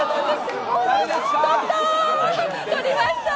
とりました！